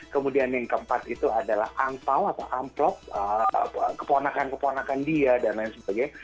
kemudian yang keempat itu adalah angpao atau amplop keponakan keponakan dia dan lain sebagainya